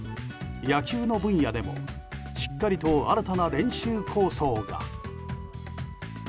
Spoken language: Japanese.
野球の分野でもしっかりと新たな練習構想が。